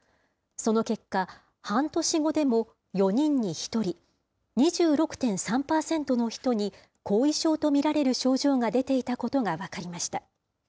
その結果、半年後でも４人に１人、２６．３％の人に、後遺症と見られる症状が出ていたことが分かりました。